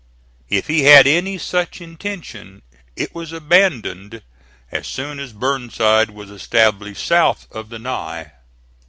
If he had any such intention it was abandoned as soon as Burnside was established south of the Ny.